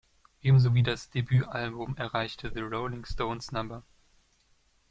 Ebenso wie das Debütalbum erreichte "The Rolling Stones No.